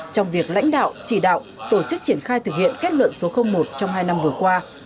trong việc lãnh đạo chỉ đạo tổ chức triển khai thực hiện kết luận số một trong hai năm vừa qua